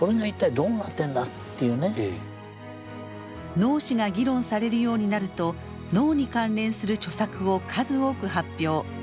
脳死が議論されるようになると脳に関連する著作を数多く発表。